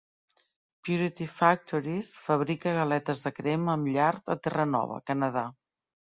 Purity Factories fabrica galetes de crema amb llard a Terranova, Canadà.